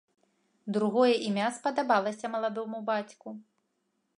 Другое імя спадабалася маладому бацьку.